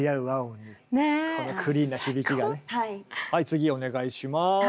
はい次お願いします。